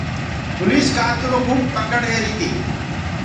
پوليس ڪآتلو ڪوُ پَڪڙ رهيري تي۔